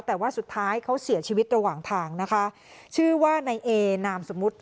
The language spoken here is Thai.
แต่ว่าสุดท้ายเขาเสียชีวิตระหว่างทางนะคะชื่อว่าในเอนามสมมุติ